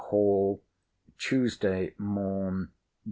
HALL, TUESDAY MORN.